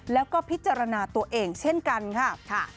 แล้วก็พิจารณาตัวเองเช่นกันค่ะ